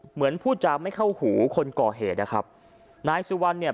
เหมือนพูดจาไม่เข้าหูคนก่อเหตุนะครับนายสุวรรณเนี่ย